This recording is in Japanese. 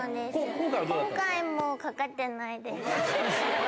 今回もかかってないです。